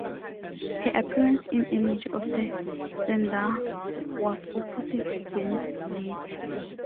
Her appearance in "Image of the Fendahl" was opposite Denis Lill.